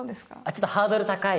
ちょっとハードル高い？